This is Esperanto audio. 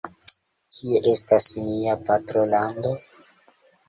Kie estas nia patrolando?